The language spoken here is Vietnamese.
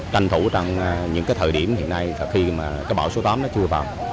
tranh thủ trong những thời điểm hiện nay khi bão số tám chưa vào